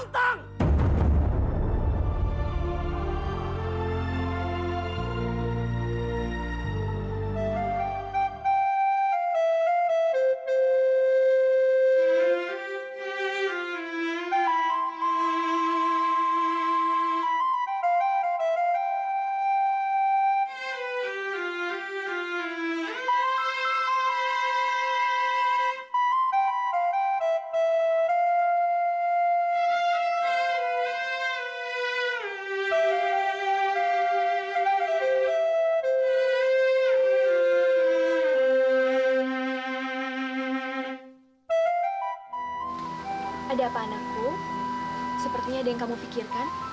dosa deh sudah tahu kan